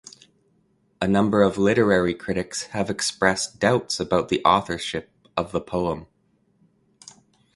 A number of literary critics have expressed doubts about the authorship of the poem.